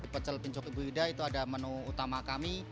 pecol pincok ibu ida itu ada menu utama kami